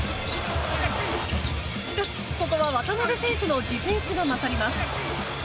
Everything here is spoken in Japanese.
しかし、ここは渡邊選手のディフェンスが勝ります。